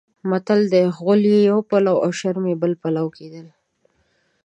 متل دی: غول یې یو پلو او شرم یې بل پلو کېدل.